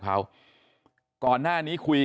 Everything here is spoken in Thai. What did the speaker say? แฟนนิกส์